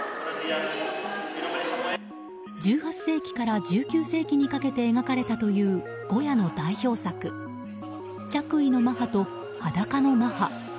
１８世紀から１９世紀にかけて描かれたというゴヤの代表作「着衣のマハ」と「裸のマハ」。